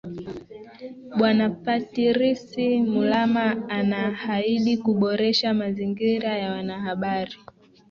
bwana patirisi mulama anahaidi kuboresha mazingira ya wanahabari